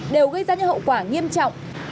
đều gây ra những hậu quả nghiêm trọng